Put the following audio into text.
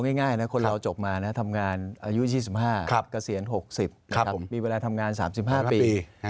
ง่ายนะคนเราจบมานะทำงานอายุ๒๕เกษียณ๖๐มีเวลาทำงาน๓๕ปี